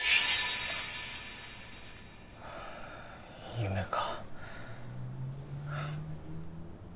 夢か。